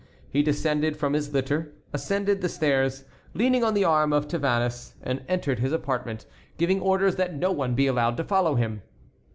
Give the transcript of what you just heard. He descended from his litter, ascended the stairs, leaning on the arm of Tavannes, and entered his apartment, giving orders that no one be allowed to follow him.